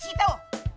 ayah minta ganti rugi